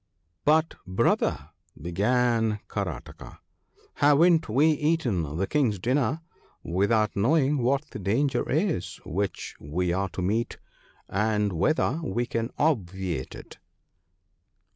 ' But, brother/ began Karataka, ' haven't we eaten the King's dinner without knowing what the danger is which we are to meet, and whether we can obviate it